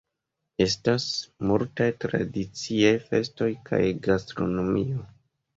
Estas multaj tradiciaj festoj kaj gastronomio.